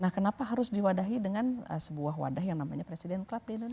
nah kenapa harus diwadahi dengan sebuah wadah yang namanya presiden klub